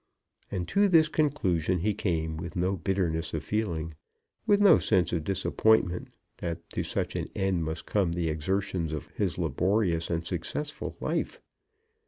And to this conclusion he came with no bitterness of feeling, with no sense of disappointment that to such an end must come the exertions of his laborious and successful life.